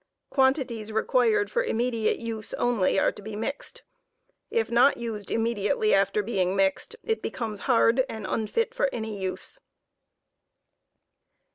Quantities required for immediate use only are to be mixed. If not used immediately after being mixed, it becomes hard and unfit* for any use.